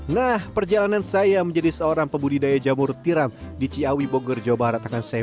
nah perjalanan saya menjadi seorang pembudidaya jamur tiram di ciawi bogor jawa barat akan saya